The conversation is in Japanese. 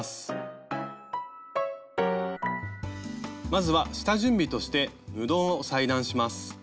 まずは下準備として布を裁断します。